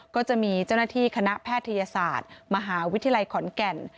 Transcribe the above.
ก็จะมีเจ้าหน้าที่คณะแพทยศาสตร์มหาวิทยาลัยขอนแก่น